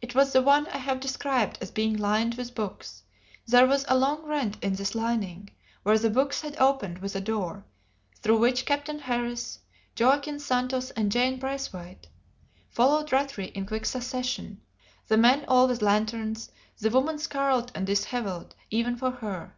It was the one I have described as being lined with books; there was a long rent in this lining, where the books had opened with a door, through which Captain Harris, Joaquin Santos, and Jane Braithwaite followed Rattray in quick succession, the men all with lanterns, the woman scarlet and dishevelled even for her.